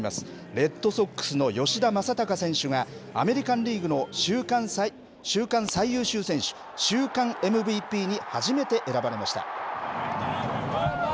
レッドソックスの吉田正尚選手が、アメリカンリーグの週間最優秀選手、週間ＭＶＰに初めて選ばれました。